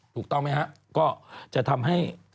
ถูกต้องไหมฮะก็จะทำให้